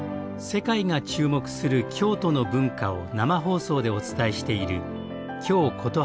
世界が注目する京都の文化を生放送でお伝えしている「京コトはじめ」。